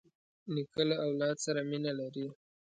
نیکه له اولاد سره مینه لري.